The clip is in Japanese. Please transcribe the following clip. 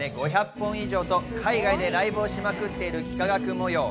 １０年間で５００本以上と海外でライブをしまくっている幾何学模様。